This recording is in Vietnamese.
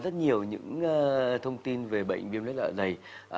rất nhiều những thông tin về bệnh viêm lết dạ dày